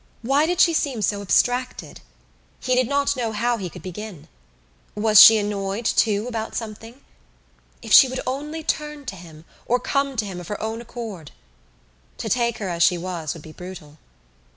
Why did she seem so abstracted? He did not know how he could begin. Was she annoyed, too, about something? If she would only turn to him or come to him of her own accord! To take her as she was would be brutal.